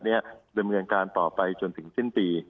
ดำเนินการต่อไปจนถึงสิ้นปี